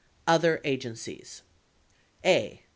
OTHER AGENCIES a.